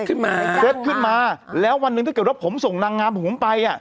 ขึ้นมาและวันนึงถ้าเกี่ยวกับผมส่งนางงามผมไปอ่ะ